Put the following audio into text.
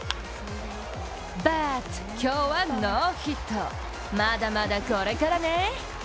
バット、今日はノーヒット、まだまだこれからね。